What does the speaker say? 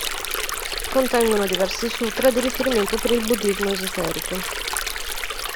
Contengono diversi sūtra di riferimento per il buddhismo esoterico.